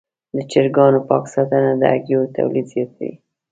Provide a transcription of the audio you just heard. د چرګانو پاک ساتنه د هګیو تولید زیاتوي.